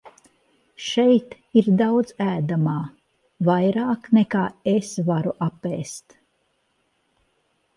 Šeit ir daudz ēdamā, vairāk nekā es varu apēst.